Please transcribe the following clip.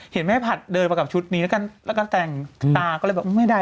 เห็นแม่ผัดเดินมากับชุดนี้แล้วก็แต่งตาก็เลยบอกไม่ได้